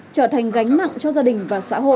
trở thành gánh nặng cho gia đình và xã hội